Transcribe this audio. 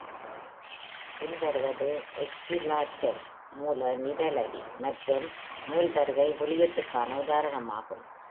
பின்வருவது XeLaTeX மூல நிரலி மற்றும் மீள்தருகை வெளியீட்டுக்கான உதாரணமாகும்.